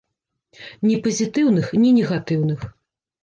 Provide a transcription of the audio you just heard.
Ні пазітыўных, ні негатыўных.